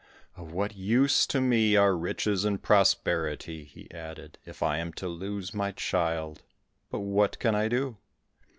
"Of what use to me are riches and prosperity?" he added, "if I am to lose my child; but what can I do?"